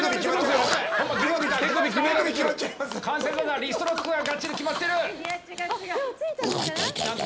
リストロックががっちり決まっている。